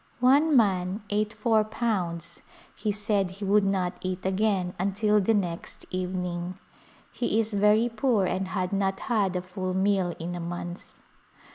One man ate four pounds ; he said he would not eat again until the next evening. He is very poor and had not had a full meal in a month.